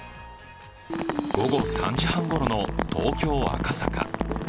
午後３時半ごろの東京・赤坂。